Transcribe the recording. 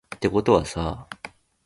てことはさ